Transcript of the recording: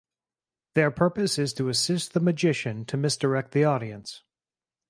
Their purpose is to assist the magician to misdirect the audience.